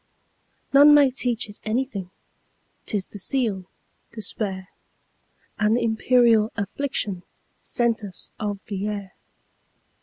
None may teach it anything,'T is the seal, despair,—An imperial afflictionSent us of the air.